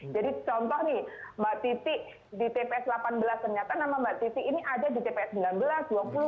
jadi contoh nih mbak titi di tps delapan belas ternyata nama mbak titi ini ada di tps sembilan belas dua puluh dan dua puluh lima